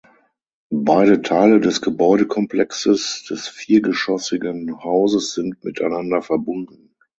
Beide Teile des Gebäudekomplexes des viergeschossigen Hauses sind miteinander verbunden.